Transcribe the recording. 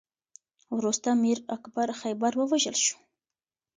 وروسته میر اکبر خیبر ووژل شو.